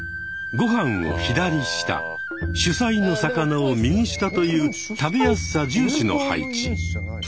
ご飯を左下主菜の魚を右下という食べやすさ重視の配置。